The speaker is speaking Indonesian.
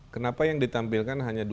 kenapa yang ditampilkan hanya